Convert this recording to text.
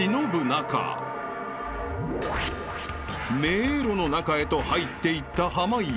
［迷路の中へと入っていった濱家］